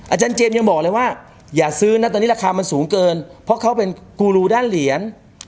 เจมส์ยังบอกเลยว่าอย่าซื้อนะตอนนี้ราคามันสูงเกินเพราะเขาเป็นกูรูด้านเหรียญ